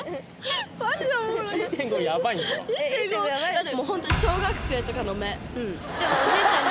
だって。